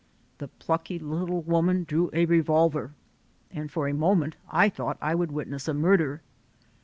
The plucky little woman drew a revolver and for a moment I thought I would witness a murder.